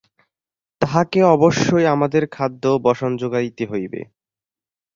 তাঁহাকে অবশ্যই আমাদের খাদ্য ও বসন যোগাইতে হইবে।